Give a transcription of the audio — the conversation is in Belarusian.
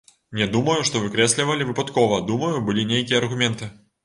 Не думаю, што выкрэслівалі выпадкова, думаю, былі нейкія аргументы.